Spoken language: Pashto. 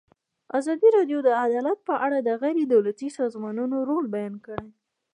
ازادي راډیو د عدالت په اړه د غیر دولتي سازمانونو رول بیان کړی.